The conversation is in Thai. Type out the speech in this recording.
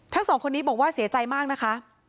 ทั้งสองคนนี้บอกว่าเสียใจมากนะคะ